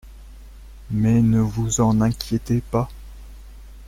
Mais ne vous en inquiétez pas.